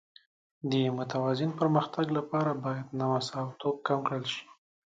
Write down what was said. د متوازن پرمختګ لپاره باید نامساواتوب کم کړل شي.